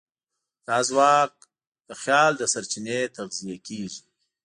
دا ځواک د خیال له سرچینې تغذیه کېږي.